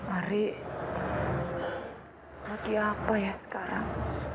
ari hati apa ya sekarang